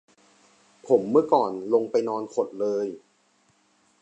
ผมเมื่อก่อนลงไปนอนขดเลย